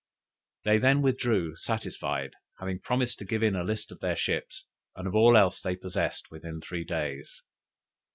They then withdrew satisfied, having promised to give in a list of their ships, and of all else they possessed, within three days.